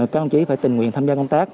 các ông chí phải tình nguyện tham gia công tác